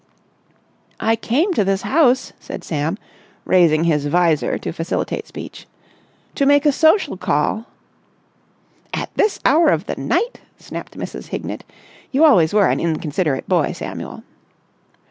"I came to this house," said Sam, raising his vizor to facilitate speech, "to make a social call...." "At this hour of the night!" snapped Mrs. Hignett. "You always were an inconsiderate boy, Samuel."